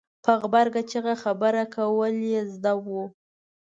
په غبرګه چېغه خبره کول یې زده وو.